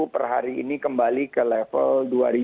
per hari ini kembali ke level dua